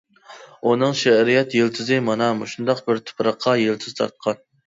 ئۇنىڭ شېئىرىيەت يىلتىزى مانا مۇشۇنداق بىر تۇپراققا يىلتىز تارتقان.